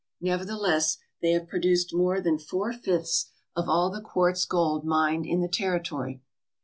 Nevertheless, they have produced more than four fifths of all the quartz gold mined in the territory.